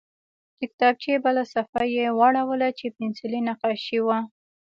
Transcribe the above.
د کتابچې بله صفحه یې واړوله چې پنسلي نقاشي وه